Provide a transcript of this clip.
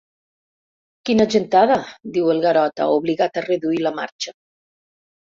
Quina gentada! —diu el Garota, obligat a reduir la marxa.